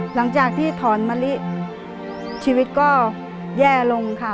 หลังจากที่ถอนมะลิชีวิตก็แย่ลงค่ะ